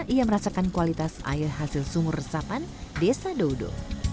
ia merasakan kualitas air hasil sumur resapan desa doudo